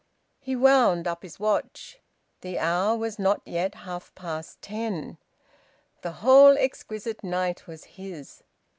He wound up his watch; the hour was not yet half past ten. The whole exquisite night was his.